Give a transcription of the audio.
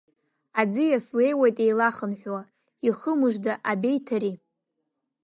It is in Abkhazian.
Аӡиас леиуеит еилахынҳәуа, ихы мыжда абеиҭари?